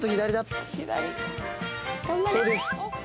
そうです。